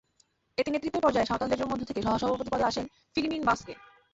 এতে নেতৃত্বের পর্যায়ে সাঁওতালদের মধ্যে থেকে সহসভাপতি পদে আসেন ফিলিমিন বাস্কে।